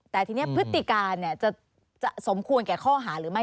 แต่ทีนี้พฤติการจะสมควรแก่ข้อหาหรือไม่